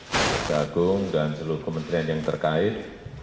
pak jagung dan seluruh kementerian yang terkait